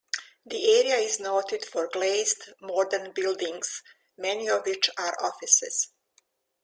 The area is noted for glazed, modern buildings - many of which are offices.